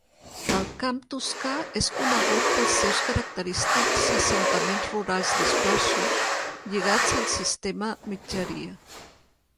El camp toscà és conegut pels seus característics assentaments rurals dispersos lligats al sistema mitgeria.